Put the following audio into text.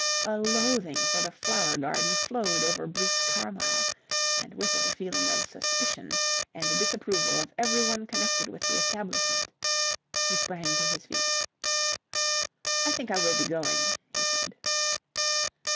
A loathing for the Flower Garden flowed over Bruce Carmyle, and with it a feeling of suspicion and disapproval of everyone connected with the establishment. He sprang to his feet. "I think I will be going," he said.